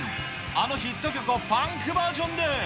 あのヒット曲をパンクバージョンで。